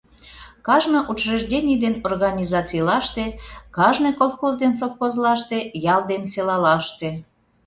Кажне учреждений ден организацийлаште, кажне колхоз ден совхозлаште, ял ден селалаште...